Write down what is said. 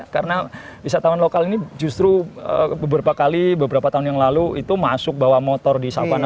karena wisatawan lokal ini justru beberapa kali beberapa tahun yang lalu itu masuk bawa motor di savana